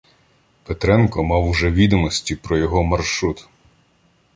Петренко мав уже відомості про його маршрут.